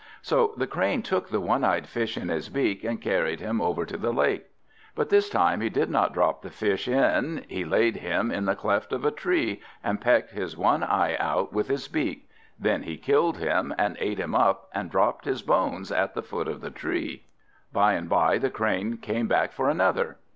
So the Crane took the one eyed Fish in his beak, and carried him over to the lake. But this time he did not drop the Fish in; he laid him in the cleft of a tree, and pecked his one eye out with his beak; then he killed him, and ate him up, and dropped his bones at the foot of the tree. By and by the Crane came back for another.